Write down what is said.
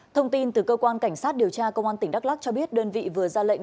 thông tin từ cơ quan cảnh sát điều tra công an tỉnh đắk lắc cho biết đơn vị vừa ra lệnh